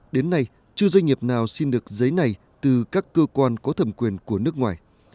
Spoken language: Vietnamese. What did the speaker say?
đến nay chưa doanh nghiệp nào xin được giấy này từ các cơ quan có thẩm quyền của nước ngoài